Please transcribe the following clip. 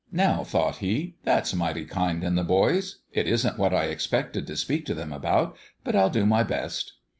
" Now," thought he, "that's mighty kind in the boys. It isn't what I expected to speak to them about ; but I'll do my best."